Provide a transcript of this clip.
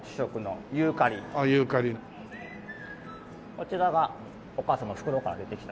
こちらがお母さんの袋から出てきた。